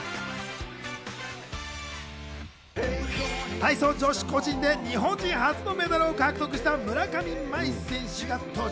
体操女子個人で日本人初のメダルを獲得した村上茉愛選手が登場。